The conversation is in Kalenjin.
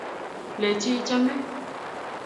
lechi ichame